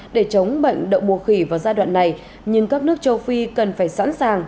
để chống bệnh đậu mùa khỉ vào giai đoạn này nhưng các nước châu phi cần phải sẵn sàng